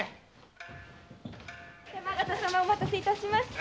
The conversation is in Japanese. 山形様お待たせいたしました。